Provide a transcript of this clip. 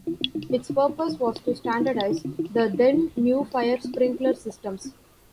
Its purpose was to standardize the then-new fire sprinkler systems.